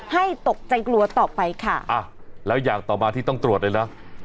ให้ตกใจกลัวต่อไปค่ะอ่ะแล้วอย่างต่อมาที่ต้องตรวจเลยนะ